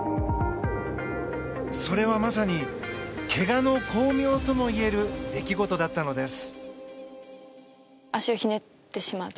それは、まさにけがの功名ともいえる出来事だったのです。